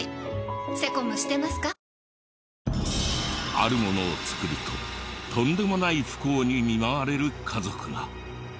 あるものを作るととんでもない不幸に見舞われる家族が。